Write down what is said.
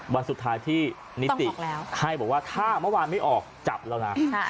วันสุดท้ายที่นิติให้บอกว่าถ้าเมื่อวานไม่ออกจับแล้วนะ